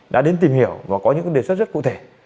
đã đến tìm hiểu và có những đề xuất rất cụ thể